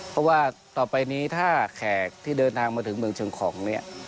เพราะว่าต่อไปนี้ถ้าแขกที่เดินทางมาถึงเมืองเชียงของเนี่ย